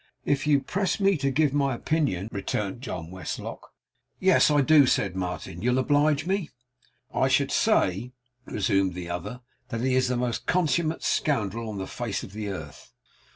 'If you press me to give my opinion ' returned John Westlock. 'Yes, I do,' said Martin. 'You'll oblige me.' ' I should say,' resumed the other, 'that he is the most consummate scoundrel on the face of the earth.